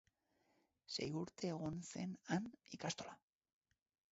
Sei urte egon zen han ikastola.